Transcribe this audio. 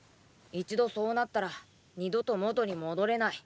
一度そうなったら二度と元に戻れない。